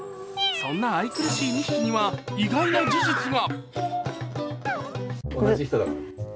そんな愛くるしい２匹には意外な事実が。